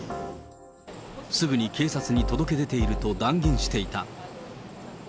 すぐに警察に届け出ていると断言していた。